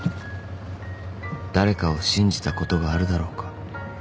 ［誰かを信じたことがあるだろうか］